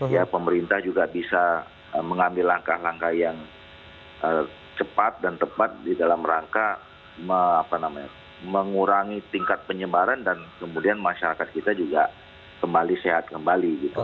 ya pemerintah juga bisa mengambil langkah langkah yang cepat dan tepat di dalam rangka mengurangi tingkat penyebaran dan kemudian masyarakat kita juga kembali sehat kembali gitu